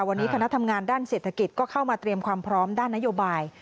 วันนี้คณะทำงานด้านเศรษฐกิจก็เข้ามาเตรียมความพร้อมด้านนโยบาย